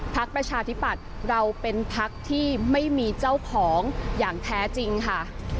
ประชาธิปัตย์เราเป็นพักที่ไม่มีเจ้าของอย่างแท้จริงค่ะ